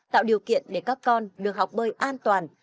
tạo điều kiện để các con được học bơi an toàn